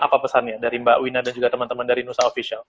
apa pesannya dari mbak wina dan juga teman teman dari nusa official